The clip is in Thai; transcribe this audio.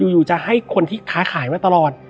อยู่จะให้คนที่ค้าขายไว้ตลอด